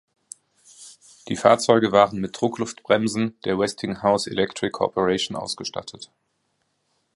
Die Fahrzeuge waren mit Druckluftbremsen der Westinghouse Electric Corporation ausgestattet.